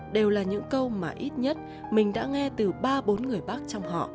đều là những câu mà ít nhất mình đã nghe từ ba bốn người bác trong họ